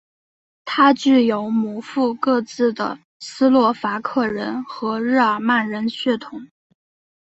他具有母父各自的斯洛伐克人和日耳曼人血统。